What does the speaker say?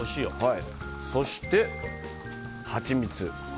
そして、ハチミツ。